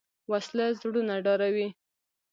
وسله زړونه ډاروي